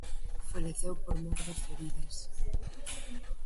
Faleceu por mor das feridas.